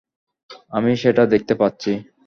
আমি সেটা দেখতে পাচ্ছি।